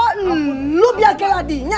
oh lu biar geladinya